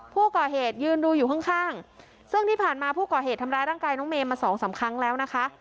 ผู้ก่อเหตุยืนดูอยู่ข้างข้างซึ่งที่ผ่านมาผู้ก่อเหตุทำร้ายร่างกายน้องเมย์มาสองสามครั้งแล้วนะคะ